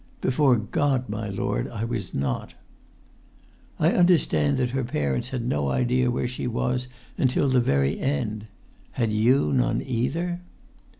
"Before God, my lord, I was not!" "I understand that her parents had no idea where she was until the very end. Had you none either?"